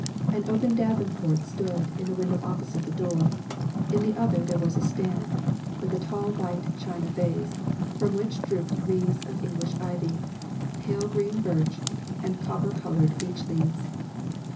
An open davenport stood in the window opposite the door; in the other there was a stand, with a tall white china vase, from which drooped wreaths of English ivy, pale green birch, and copper coloured beech leaves.